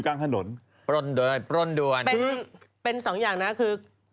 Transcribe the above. ให้เกิดอุบัติเหตุ